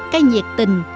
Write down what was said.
cây nhiệt tình